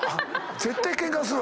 絶対ケンカするわ。